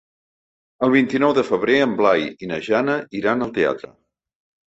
El vint-i-nou de febrer en Blai i na Jana iran al teatre.